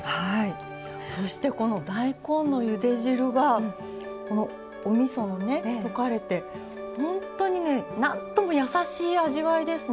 そして大根のゆで汁がおみそ、溶かれて本当に、なんともやさしい味わいですね。